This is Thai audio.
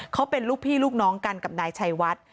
เขาเป็นลูกพี่ลูกน้องกันกับนายชัยวัด